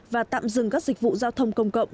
và tạm dừng các dịch vụ giao thông công cộng